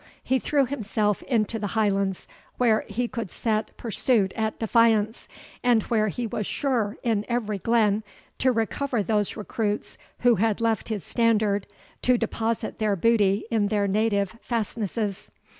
He threw himself into the Highlands, where he could set pursuit at defiance, and where he was sure, in every glen, to recover those recruits who had left his standard to deposit their booty in their native fastnesses.